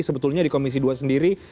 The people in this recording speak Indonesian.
sebetulnya di komisi dua sendiri